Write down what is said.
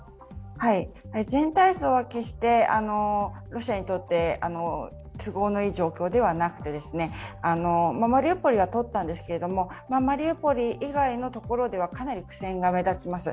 全体像は決してロシアにとって都合のいい状況ではなくてマリウポリは取ったんですけれども、マリウポリ以外のところではかなり苦戦が目立ちます。